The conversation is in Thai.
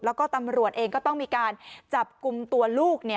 แล้วก็ตำรวจเองก็ต้องมีการจับกลุ่มตัวลูก